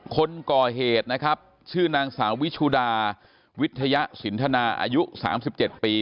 คนกอเหตุชื่อนางสาววิชุดาวิทยะสิรุณาอายุ๓๗ปี